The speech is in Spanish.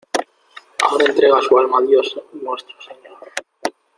ahora entrega su alma a Dios Nuestro Señor.